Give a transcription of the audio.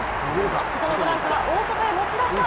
サトノグランツは大外へ持ち出した。